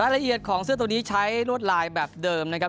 ละเอียดของเสื้อตัวนี้ใช้รวดลายแบบเดิมนะครับ